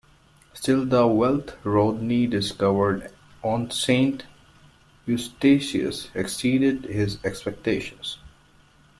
Still, the wealth Rodney discovered on Saint Eustatius exceeded his expectations.